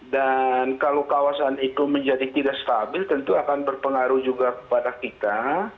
dan kalau kawasan itu menjadi tidak stabil tentu akan berpengaruh juga kepada kita